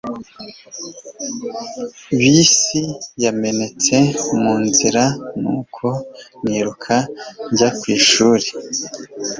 bisi yamenetse mu nzira, nuko niruka njya ku ishuri